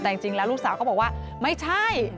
แต่จริงแล้วลูกสาวก็บอกว่าไม่ใช่